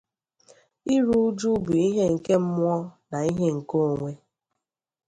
Iru uju bụ ihe nke mmụọ na ihe nke onwe